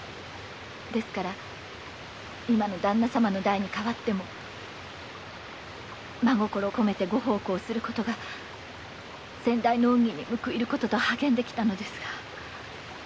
ですから今の旦那様の代に替わっても真心を込めてご奉公することが先代の恩義に報いることと励んできましたが。